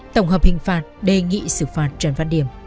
tổng hợp hình phạt đề nghị xử phạt trần văn điểm